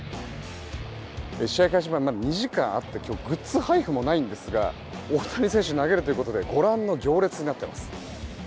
試合開始までまだ２時間あって、グッズ配布もないんですが大谷選手が投げるということでご覧の行列になっています。